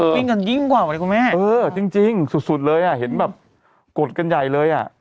ชอบปิ๊งกันยิ่งกว่าวะเนี่ยคุณแม่เออจริงสุดเลยอ่ะเห็นแบบกดกันใหญ่เลยอ่ะ